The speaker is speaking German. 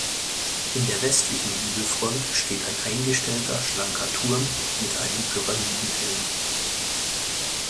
In der westlichen Giebelfront steht ein eingestellter schlanker Turm mit einem Pyramidenhelm.